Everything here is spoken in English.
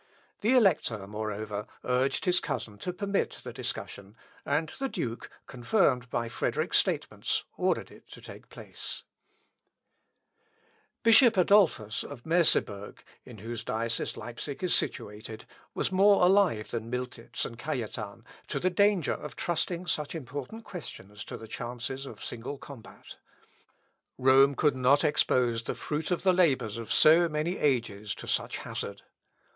The Elector, moreover, urged his cousin to permit the discussion; and the duke, confirmed by Frederick's statements, ordered it to take place. Principis nostri verbo firmatus. (L. Ep. i, 255.) Bishop Adolphus of Merseburg, in whose diocese Leipsic is situated, was more alive than Miltitz and Cajetan, to the danger of trusting such important questions to the chances of single combat. Rome could not expose the fruit of the labours of so many ages to such hazard.